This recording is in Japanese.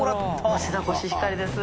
餅田コシヒカリです。